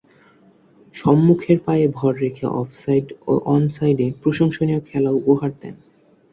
সম্মুখের পায়ে ভর রেখে অফ সাইড ও অন সাইডে প্রশংসনীয় খেলা উপহার দেন।